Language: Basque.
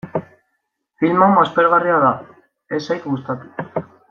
Film hau aspergarria da, ez zait gustatu.